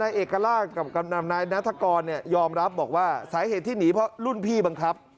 เอกราชกับนายนัฐกรยอมรับบอกว่าสาเหตุที่หนีเพราะรุ่นพี่บังคับ